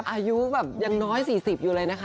คืออายุอยู่แบบอย่างน้อย๔๐อยู่เลยนะคะ